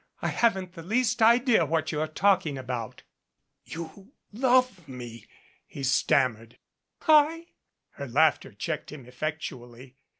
"I haven't the least idea what you're talking about." "You love me " he stammered. Her laughter checked him effectually.